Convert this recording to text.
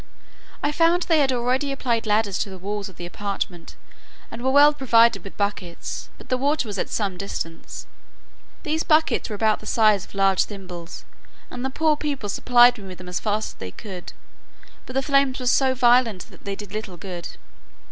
I found they had already applied ladders to the walls of the apartment, and were well provided with buckets, but the water was at some distance. These buckets were about the size of large thimbles, and the poor people supplied me with them as fast as they could: but the flame was so violent that they did little good.